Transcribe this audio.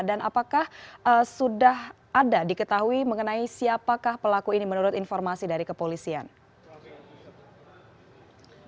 dan apakah sudah ada diketahui mengenai siapakah pelaku ini menurut informasi dari kepolisian